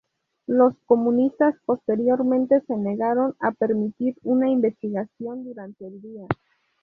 Los comunistas posteriormente se negaron a permitir una investigación durante el día.